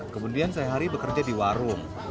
kemudian saya hari bekerja di warung